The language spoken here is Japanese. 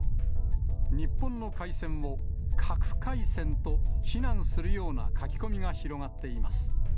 日本の海鮮を、核海鮮と非難するような書き込みが広がっています。